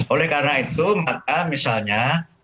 oleh karena itu maka misalnya